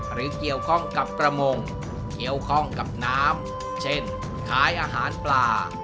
หรือเกี่ยวข้องกับประมงเกี่ยวข้องกับน้ำเช่นขายอาหารปลา